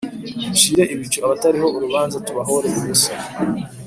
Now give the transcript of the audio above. ducire ibico abatariho urubanza tubahore ubusa,